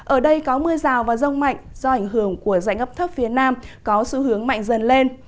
ở đây có mưa rào và rông mạnh do ảnh hưởng của dạnh ấp thấp phía nam có xu hướng mạnh dần lên